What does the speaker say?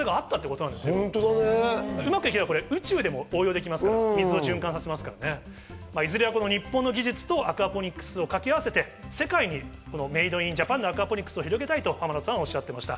宇宙でも応用できますから、水を循環させますからね、いずれは日本の技術とアクアポニックスを掛け合わせて、世界にメイド・イン・ジャパンのアクアポニックスを広げたいと濱田さんはおっしゃっていました。